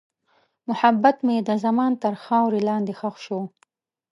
محبت مې د زمان تر خاورې لاندې ښخ شو.